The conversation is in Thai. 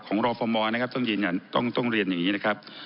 ของรฟมอร์ต้องเรียนอย่างนี้นะครับ